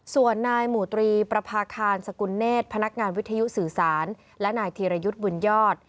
ส่วนนายหมู่ตรีประพาคารสกุลเนธพนักงานวิทยุสื่อสารและนายธีรยุทธ์บุญยอด